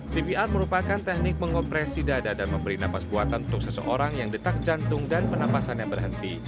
cpr merupakan teknik mengopresi dada dan memberi nafas buatan untuk seseorang yang detak jantung dan penapasannya berhenti